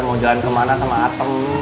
mau jalan kemana sama atem